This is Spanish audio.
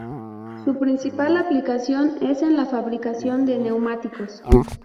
Su principal aplicación es en la fabricación de neumáticos.